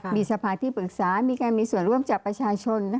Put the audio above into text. มีสภาที่ปรึกษามีการมีส่วนร่วมจากประชาชน